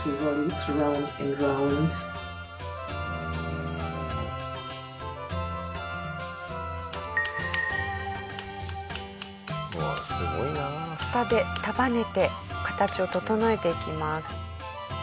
ツタで束ねて形を整えていきます。